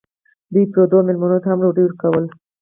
دوی پردو مېلمنو ته هم ډوډۍ ورکوله.